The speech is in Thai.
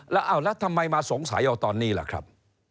แล้วทำไมมาสงสัยตอนนี้ล่ะครับ